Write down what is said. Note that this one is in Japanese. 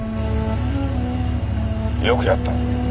よくやった。